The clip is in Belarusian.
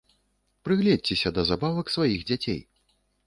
Прыгледзьцеся да забавак сваіх дзяцей.